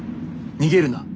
逃げるな！